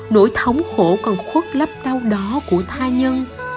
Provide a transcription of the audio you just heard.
nỗi thống khổ còn khuất lấp đau đá của tha nhân